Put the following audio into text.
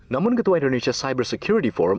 namun ketua indonesia cyber security forum